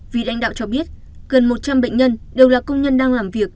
vị lãnh đạo cho biết gần một trăm linh bệnh nhân đều là công nhân đang làm việc